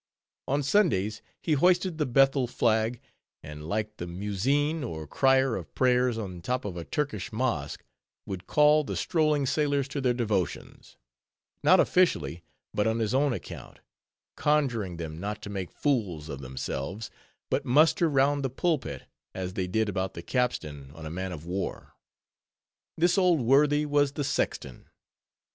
On Sundays he hoisted the Bethel flag, and like the muezzin or cryer of prayers on the top of a Turkish mosque, would call the strolling sailors to their devotions; not officially, but on his own account; conjuring them not to make fools of themselves, but muster round the pulpit, as they did about the capstan on a man of war. This old worthy was the sexton.